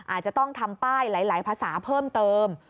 อาจจะต้องทำป้ายหลายภาษาเพิ่มเติม